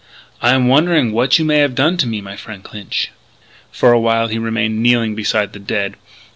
I am wondering what you may have done to me, my frien' Clinch...." For a while he remained kneeling beside the dead.